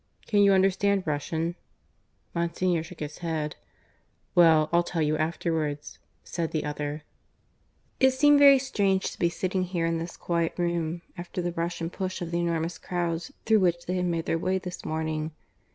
"Can you understand Russian?" Monsignor shook his head. "Well, I'll tell you afterwards," said the other. It seemed very strange to be sitting here, in this quiet room, after the rush and push of the enormous crowds through which they had made their way this morning.